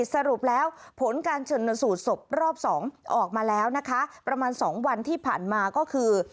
สรุปแล้วผลการชนสูตรศพรอบสองออกมาแล้วนะคะประมาณ๒วันที่ผ่านมาก็คือ